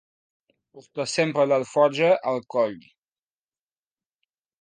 Portar sempre l'alforja al coll.